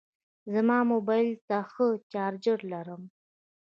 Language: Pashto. زما موبایل ته ښه چارجر لرم.